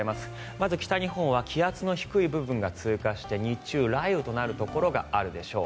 まず、北日本は気圧の低い部分が通過して日中、雷雨となるところがあるでしょう。